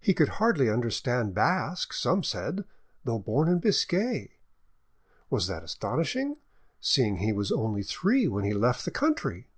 He could hardly understand Basque, some said, though born in Biscay, was that astonishing, seeing he was only three when he left the country?